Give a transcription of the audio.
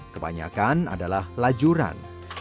kebanyakan adalah lajuran